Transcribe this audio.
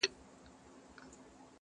په پای کي شپږمه ورځ هم بې پايلې تېريږي،